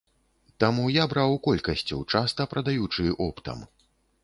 Таму я браў колькасцю, часта прадаючы оптам.